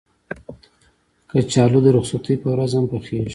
کچالو د رخصتۍ په ورځ هم پخېږي